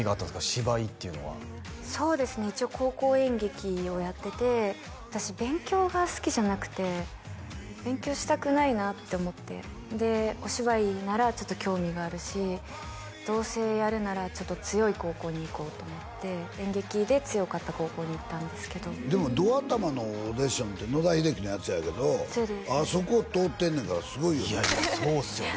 芝居っていうのはそうですね一応高校演劇をやってて私勉強が好きじゃなくて勉強したくないなって思ってでお芝居ならちょっと興味があるしどうせやるならちょっと強い高校に行こうと思って演劇で強かった高校に行ったんですけどでもど頭のオーディションって野田秀樹のやつやけどあそこ通ってんのやからすごいよねいやいやそうですよね